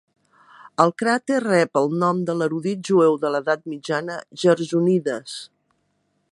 El cràter rep el nom de l'erudit jueu de l"Edat Mitja Gersonides.